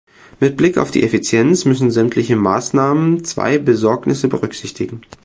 Mit Blick auf die Effizienz müssen sämtliche Maßnahmen zwei Besorgnisse berücksichtigen.